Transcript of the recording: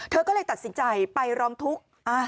เธอก็เลยตัดสินใจไปร้องทุกข์